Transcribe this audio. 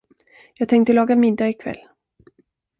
Jag tänkte laga middag i kväll.